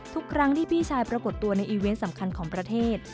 ทุกครั้งที่พี่ชายปรากฏตัวในอีเวนต์สำคัญของประเทศ